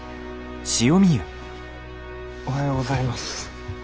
おはようございます。